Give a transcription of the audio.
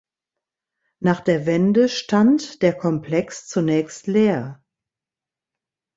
Nach der Wende stand der Komplex zunächst leer.